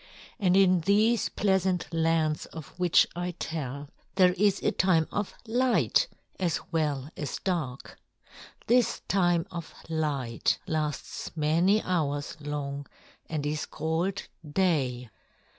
And in these pleasant lands of which I tell, there is a time of light as well as dark. This time of light lasts many hours long and is called day."